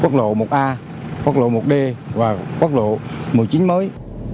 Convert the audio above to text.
quốc lộ một a quốc lộ một d và quốc lộ một mươi chín mới